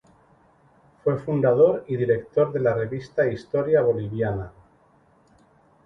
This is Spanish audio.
Fue fundador y director de la Revista Historia Boliviana.